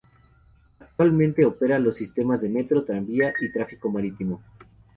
Actualmente opera los sistemas de metro, tranvía y tráfico marítimo.